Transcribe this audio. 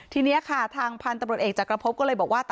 ทีเนี้ยค่ะทางพันธ์สำหรับแห่งจักรครัพพก็เลยบอกว่า